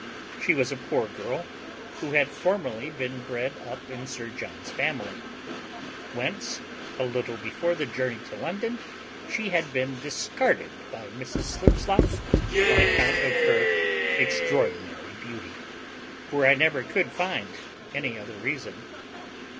She was a poor girl, who had formerly been bred up in Sir John's family; whence, a little before the journey to London, she had been discarded by Mrs Slipslop, on account of her extraordinary beauty: for I never could find any other reason.